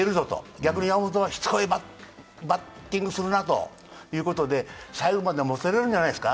逆に山本はしつこいバッティングするなということで、最後までもつれるんじゃないですか。